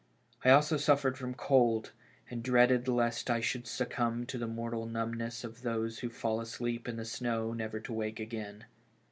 I also suffered from cold, and dreaded lest I should suc cumb to the mortal numbness of those who fall asleep in the snow never to wake again.